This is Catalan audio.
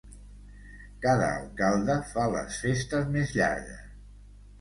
Cada alcalde fa les festes més llargues.